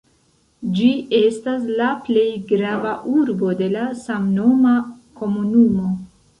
Ĝi estas la plej grava urbo de la samnoma komunumo.